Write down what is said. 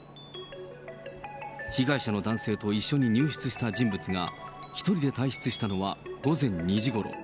被害者の男性と一緒に入室した人物が、１人で退室したのは午前２時ごろ。